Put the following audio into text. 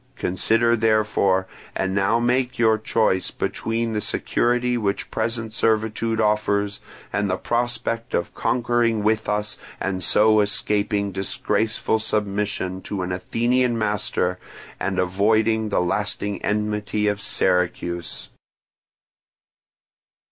Consider, therefore; and now make your choice between the security which present servitude offers and the prospect of conquering with us and so escaping disgraceful submission to an Athenian master and avoiding the lasting enmity of Syracuse."